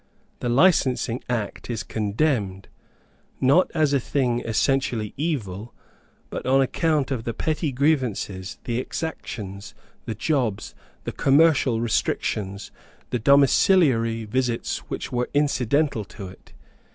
The Licensing Act is condemned, not as a thing essentially evil, but on account of the petty grievances, the exactions, the jobs, the commercial restrictions, the domiciliary visits which were incidental to it.